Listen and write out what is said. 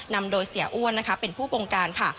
นำโดยเสียอ้วนนะคะเป็นผู้บงการค่ะ